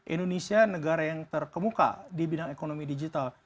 indonesia negara yang terkemuka di bidang ekonomi digital